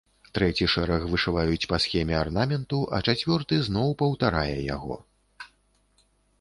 Трэці шэраг вышываюць па схеме арнаменту, а чацвёрты зноў паўтарае яго.